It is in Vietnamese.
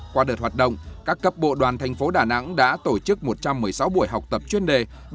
qua đợt hoạt động các cấp bộ đoàn thành phố đà nẵng đã tổ chức một trăm một mươi sáu buổi học tập chuyên đề